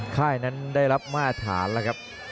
ค่ายนั้นได้รับมาตรฐานแล้วครับ